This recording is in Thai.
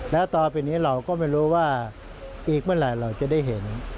แล้วต่อไปนี้เราก็ไม่รู้ว่าอีกเมื่อไหร่เราจะได้เห็น